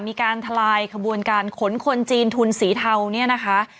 ทลายขบวนการขนคนจีนทุนสีเทาเนี่ยนะคะ